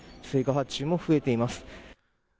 追加発注も増えています。